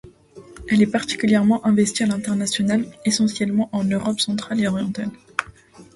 Elle est particulièrement investie à l'international, essentiellement en Europe centrale et orientale.